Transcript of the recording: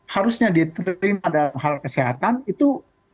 harusnya diterima dalam hal kesehatan itu